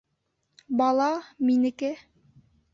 — Бала — минеке.